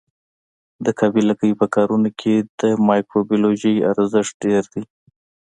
د قابله ګۍ په کارونو کې د مایکروبیولوژي ارزښت ډېر دی.